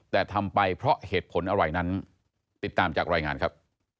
แต่ทำไปเพราะเหตุผลอะไรนั้นติดตามจากรายงานครับ